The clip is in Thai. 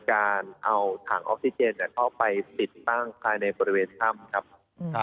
การเอาถังออกซิเจนเข้าไปติดตั้งภายในบริเวณถ้ำครับ